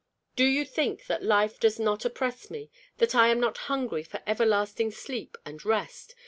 Do you think that life does not oppress me, that I am not hungry for everlasting sleep and rest?